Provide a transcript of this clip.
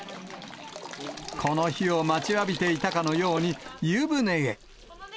この日を待ちわびていたかのように、湯船へ。